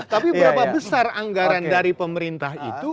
tapi berapa besar anggaran dari pemerintah itu